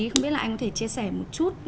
không biết là anh có thể chia sẻ một chút